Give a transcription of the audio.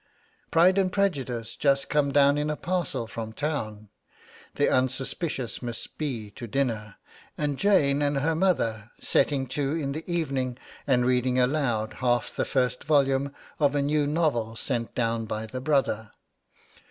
'Pride and Prejudice' just come down in a parcel from town; the unsuspicious Miss B. to dinner; and Jane and her mother setting to in the evening and reading aloud half the first volume of a new novel sent down by the brother.